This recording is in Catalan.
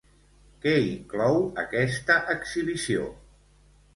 Què inclou aquesta exhibició?